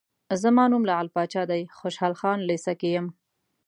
زما نوم لعل پاچا دی، خوشحال خان لېسه کې یم.